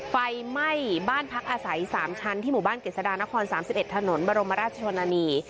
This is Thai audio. ไฟไหม้บ้านพักอาศัย๓ชั้นที่หมู่บ้านกฤษฎานคร๓๑ถนนบรมราชชนนานี